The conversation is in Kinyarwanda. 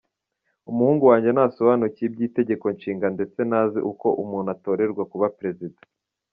Umuhungu wanjye ntasobanukiwe iby’Itegeko Nshinga ndetse ntazi uko umuntu atorerwa kuba Perezida”.